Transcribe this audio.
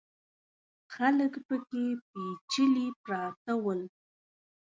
خلک پکې پېچلي پراته ول.